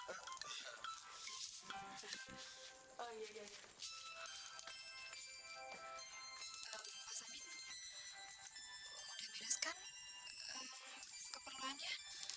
kamu udah mereskan keperluannya